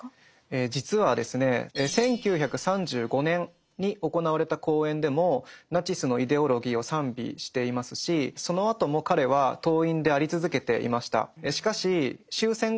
実はですね１９３５年に行われた講演でもナチスのイデオロギーを賛美していますしそのあとも彼は党員であり続けていました。